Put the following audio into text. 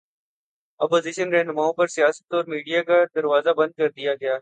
Opposition راہنماؤں پر سیاست اور میڈیا کا دروازہ بند کر دیا گیا ہے۔